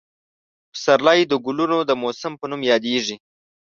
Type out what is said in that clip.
پسرلی د ګلونو د موسم په نوم یادېږي.